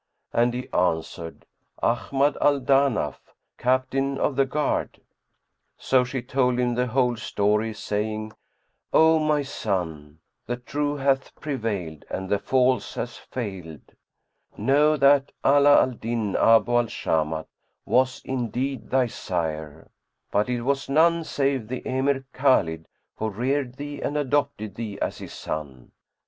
And he answered "Ahmad al Danaf, Captain of the Guard." So she told him the whole story, saying, "O my son, the True hath prevailed and the False hath failed:[FN#112] know that Ala al Din Abu al Shamat was indeed thy sire, but it was none save the Emir Khбlid who reared thee and adopted thee as his son.